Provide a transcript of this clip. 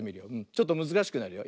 ちょっとむずかしくなるよ。